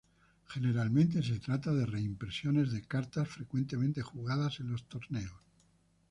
Generalmente se trata de reimpresiones de cartas frecuentemente jugadas en los torneos.